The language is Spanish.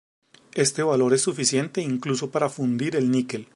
Este valor es suficiente incluso para fundir el níquel.